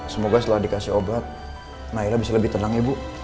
semoga setelah dikasih obat naira bisa lebih tenang ibu